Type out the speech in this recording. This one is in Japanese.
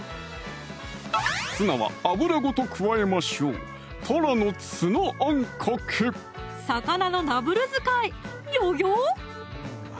ツナは油ごと加えましょう魚のダブル使いギョギョ！